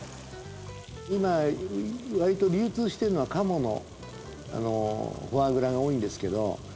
今わりと流通してるのはカモのフォアグラが多いんですけど。